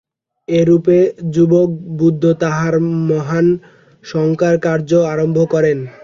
এইরূপে যুবক বুদ্ধ তাঁহার মহান সংস্কারকার্য আরম্ভ করেন।